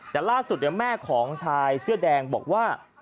แต่ล่าสุดแม่ของชายเสื้อแดงบอกว่า